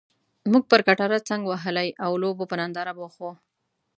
موږ پر کټاره څنګ وهلي او لوبو په ننداره بوخت وو.